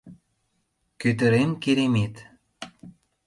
Кӧтырем, керемет!